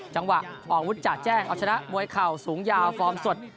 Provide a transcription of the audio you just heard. จังหวะออกอาวุธจะแจ้งเอาชนะมวยเข่าสูงยาวฟอร์มสด